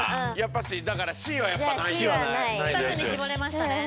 ２つに絞れましたね。